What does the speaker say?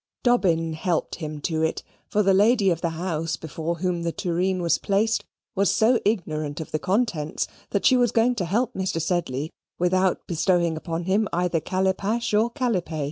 Dobbin helped him to it; for the lady of the house, before whom the tureen was placed, was so ignorant of the contents, that she was going to help Mr. Sedley without bestowing upon him either calipash or calipee.